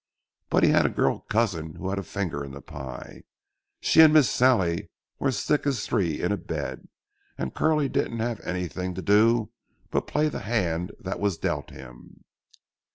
But he had a girl cousin who had a finger in the pie. She and Miss Sallie were as thick as three in a bed, and Curly didn't have anything to do but play the hand that was dealt him.